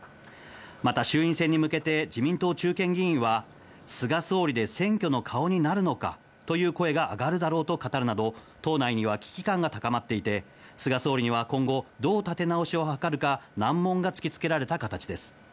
また、衆院選に向けて自民党中堅議員は菅総理で選挙の顔になるのかという声が上がるだろうと語るなど党内には危機感が高まっていて菅総理には、今後どう立て直しを図るか難問が突き付けられた形です。